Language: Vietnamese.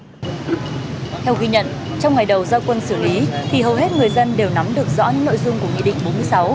theo ghi nhận trong ngày đầu giao quân xử lý thì hầu hết người dân đều nắm được rõ những nội dung của nghị định bốn mươi sáu